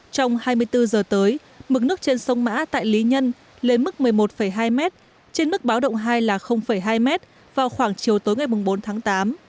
trong hai mươi bốn giờ tới mực nước trên sông mã tại lý nhân lên mức một mươi một hai m trên mức báo động hai là hai m vào khoảng chiều tối ngày bốn tháng tám